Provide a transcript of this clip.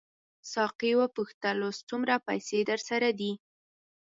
ساقي وپوښتل اوس څومره پیسې درسره دي.